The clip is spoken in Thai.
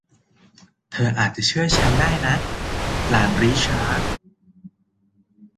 เธออาจจะเชื่อฉันได้นะ หลานริชาร์ด